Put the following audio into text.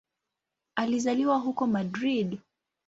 Alizaliwa huko Madrid.